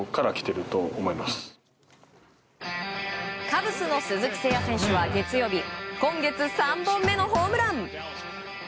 カブスの鈴木誠也選手は月曜日今月３本目のホームラン。